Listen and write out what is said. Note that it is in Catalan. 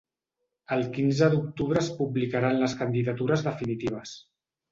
El quinze d’octubre es publicaran les candidatures definitives.